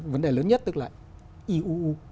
vấn đề lớn nhất tức là eu